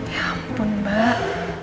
ya ampun mbak